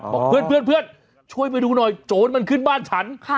เพื่อนช่วยไปดูหน่อยโจรมันขึ้นบ้านฉัน